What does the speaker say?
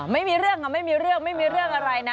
ไม่มีเรื่องไม่มีเรื่องไม่มีเรื่องอะไรนะ